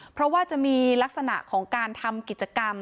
เพราะว่าจะมีลักษณะของการทำกิจกรรม